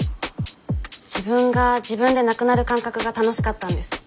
自分が自分でなくなる感覚が楽しかったんです。